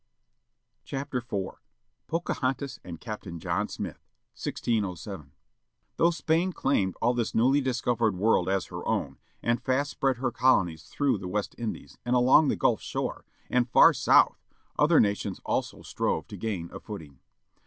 URIAL OF DE SOTO POCAHONTAS AND CAPTAIN JOHN SMITH. 1607 HOUGH Spain claimed all this newly discovered world as her own, and fast spread her colonies through the West Indies, and along the Gvilf shore, and far south, other nations also strove to gain a footing.